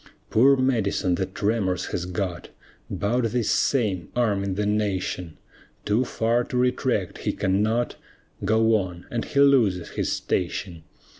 Poor Madison the tremors has got, 'Bout this same arming the nation; Too far to retract, he cannot Go on and he loses his station.